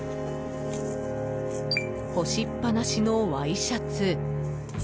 干しっぱなしのワイシャツ。